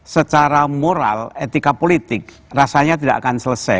secara moral etika politik rasanya tidak akan selesai